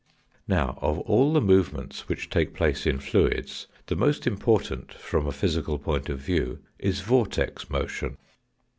Now, of all the movements which take place in fluids, the most important from a physical point of view is vortex motion.